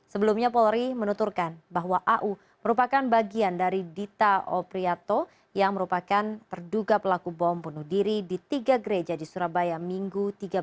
sebelumnya polri menuturkan bahwa au merupakan bagian dari dita opriyato yang merupakan terduga pelaku bom bunuh diri di tiga gereja di surabaya minggu tiga puluh